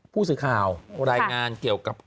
ผู้สื่อข่าวรายงานเกี่ยวกับ